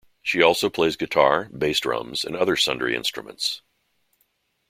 She also plays guitar, bass, drums, and other sundry instruments.